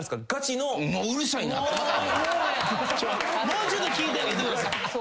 もうちょっと聞いてあげてください。